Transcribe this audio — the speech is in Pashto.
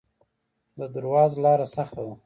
د درواز لاره سخته ده